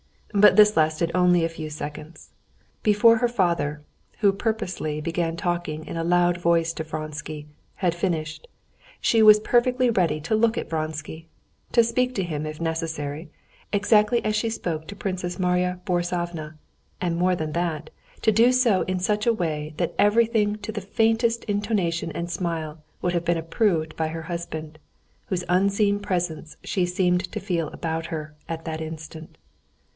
But this lasted only a few seconds. Before her father, who purposely began talking in a loud voice to Vronsky, had finished, she was perfectly ready to look at Vronsky, to speak to him, if necessary, exactly as she spoke to Princess Marya Borissovna, and more than that, to do so in such a way that everything to the faintest intonation and smile would have been approved by her husband, whose unseen presence she seemed to feel about her at that instant.